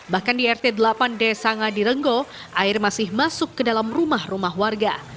bahkan di rt delapan d sanga di renggoh air masih masuk ke dalam rumah rumah warga